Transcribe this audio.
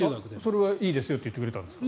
それはいいですよと言ってくれたんですか？